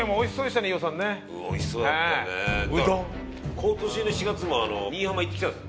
今年の４月も新居浜行ってきたんです。